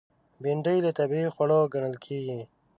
بېنډۍ له طبیعي خوړو ګڼل کېږي